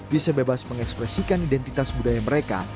bisa bebas mengekspresikan identitas budaya mereka